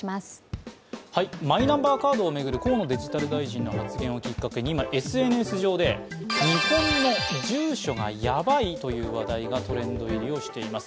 マイナンバーカードを巡る河野デジタル大臣の発言をきっかけに今、ＳＮＳ上で日本の住所がヤバいという話題がトレンド入りしています。